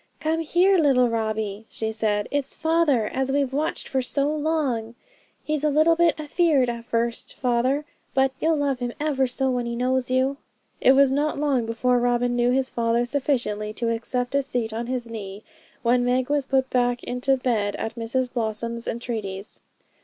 'Come here, little Robbie,' she said; 'it's father, as we've watched for so long. He's a little bit afeared at first, father, but you'll love him ever so when he knows you.' It was not long before Robin knew his father sufficiently to accept of a seat on his knee, when Meg was put back into bed at Mrs Blossom's entreaties.